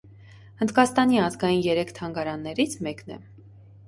Հնդկաստանի ազգային երեք թանգարաններից մեկն է։